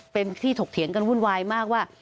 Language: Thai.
เป็นที่ถกเถียงกันวุ่นวายมากว่า